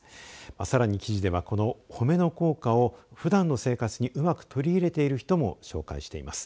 さらに、記事はこの褒めの効果をふだんの生活にうまく取り入れている人も紹介しています。